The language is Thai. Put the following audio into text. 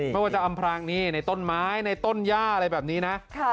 ไม่ว่าจะอำพรางนี่ในต้นไม้ในต้นย่าอะไรแบบนี้นะ